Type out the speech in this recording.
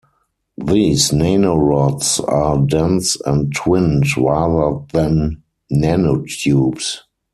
These nanorods are dense and twinned rather than nanotubes.